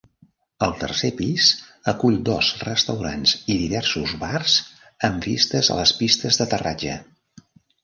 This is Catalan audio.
El tercer pis acull dos restaurants i diversos bars amb vistes a les pistes d'aterratge.